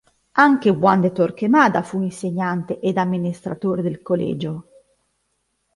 Anche Juan de Torquemada fu insegnante ed amministratore del "colegio".